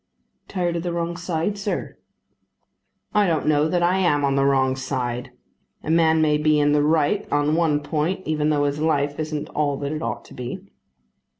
"Tired of the wrong side, sir." "I don't know that I am on the wrong side. A man may be in the right on one point even though his life isn't all that it ought to be."